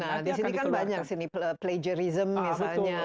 nah di sini kan banyak sih plagiarism misalnya